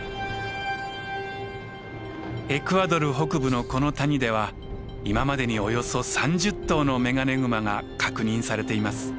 エクアドル北部のこの谷では今までにおよそ３０頭のメガネグマが確認されています。